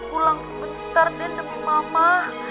pulang sebentar deh demi mama